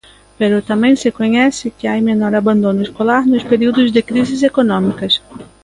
Pero tamén se coñece que hai menor abandono escolar nos períodos de crises económicas.